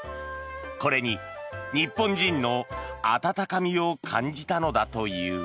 これに日本人の温かみを感じたのだという。